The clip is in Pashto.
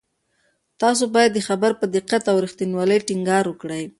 تاسو باید د خبر په دقت او رښتینولۍ ټینګار وکړئ.